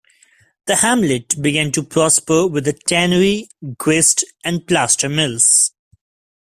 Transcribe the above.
The hamlet began to prosper with a tannery, grist and plaster mills.